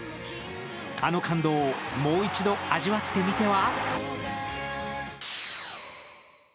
あの感動をもう一度味わってみては！